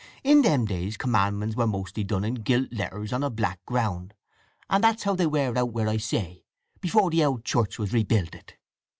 In them days Commandments were mostly done in gilt letters on a black ground, and that's how they were out where I say, before the owld church was rebuilded.